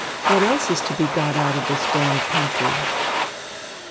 "What else is to be got out of this damned country?"